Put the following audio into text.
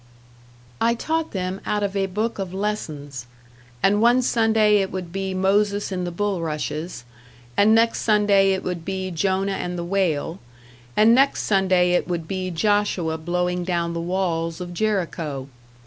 I taught them out of a book of lessons; and one Sunday it would be Moses in the Bulrushes, and next Sunday it would be Jonah and the Whale, and next Sunday it would be Joshua blowing down the walls of Jericho.